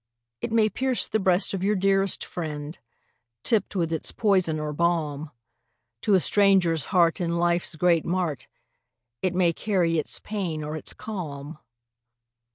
It may pierce the breast of your dearest friend, Tipped with its poison or balm; To a stranger's heart in life's great mart, It may carry its pain or its calm.